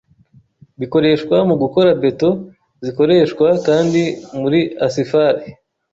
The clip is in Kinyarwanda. bikoreshwa mugukora beto; zikoreshwa kandi muri asifal